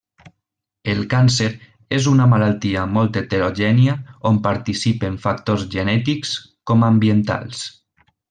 El càncer és una malaltia molt heterogènia on participen factors genètics, com ambientals.